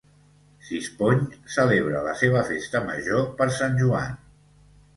Sispony celebra la seva Festa Major per Sant Joan.